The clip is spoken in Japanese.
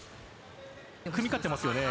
組み勝ってますよね。